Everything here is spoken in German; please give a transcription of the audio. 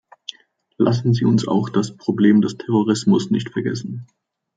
Lassen Sie uns auch das Problem des Terrorismus nicht vergessen.